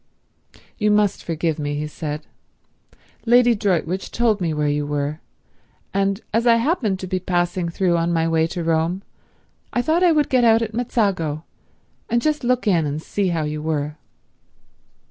"You must forgive me," he said. "Lady Droitwich told me where you were, and as I happened to be passing through on my way to Rome I thought I would get out at Mezzago and just look in and see how you were."